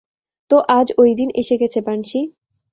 তো আজ ওই দিন এসে গেছে বানশি!